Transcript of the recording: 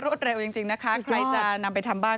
เร็วจริงนะคะใครจะนำไปทำบ้าน